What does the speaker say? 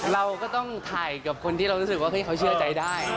เราก็ต้องถ่ายกับคนที่เรารู้สึกว่าเขาเชื่อใจได้